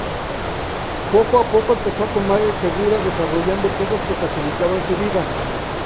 Poco a poco empezó a tomar el segura desarrollando cosas que facilitaban su vida.